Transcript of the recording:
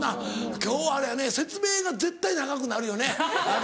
今日はあれやね説明が絶対長くなるよね。